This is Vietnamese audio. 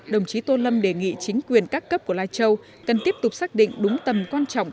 đồng chí tô lâm đề nghị chính quyền các cấp của lai châu cần tiếp tục xác định đúng tầm quan trọng